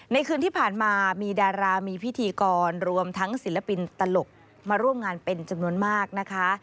คืนที่ผ่านมามีดารามีพิธีกรรวมทั้งศิลปินตลกมาร่วมงานเป็นจำนวนมากนะคะ